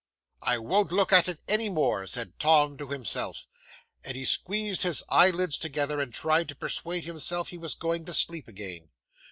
'"I won't look at it any more," said Tom to himself, and he squeezed his eyelids together, and tried to persuade himself he was going to sleep again.